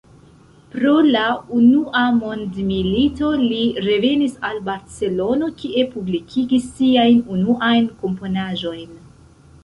Pro la Unua Mondmilito, li revenis al Barcelono, kie publikigis siajn unuajn komponaĵojn.